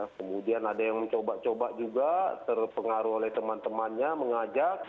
kemudian ada yang mencoba coba juga terpengaruh oleh teman temannya mengajak